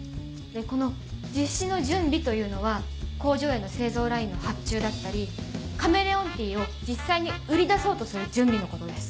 この「実施の準備」というのは工場への製造ラインの発注だったりカメレオンティーを実際に売り出そうとする準備のことです。